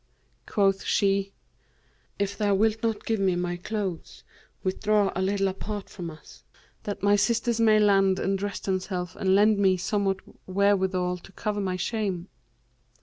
Quoth she, 'If thou wilt not give me my clothes withdraw a little apart from us, that my sisters may land and dress themselves and lend me somewhat wherewithal to cover my shame.'